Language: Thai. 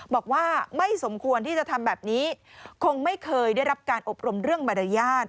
บอกว่าไม่สมควรที่จะทำแบบนี้คงไม่เคยได้รับการอบรมเรื่องมารยาท